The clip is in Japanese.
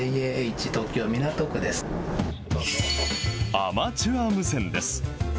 アマチュア無線です。